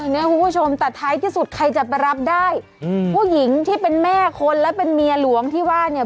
เนี้ยคุณผู้ชมแต่ท้ายที่สุดใครจะไปรับได้อืมผู้หญิงที่เป็นแม่คนและเป็นเมียหลวงที่ว่าเนี่ย